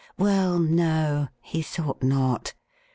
Well, no, he thought not.